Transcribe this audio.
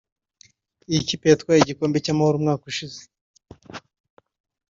Iyi kipe yatwaye igikombe cy’Amahoro umwaka ushize